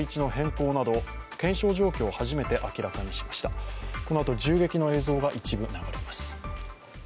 このあと銃撃の映像が一部流れます。